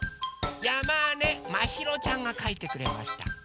やまねまひろちゃんがかいてくれました。